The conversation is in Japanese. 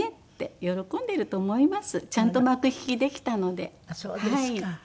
そうですか。